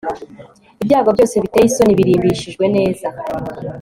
ibyago byose biteye isoni, birimbishijwe neza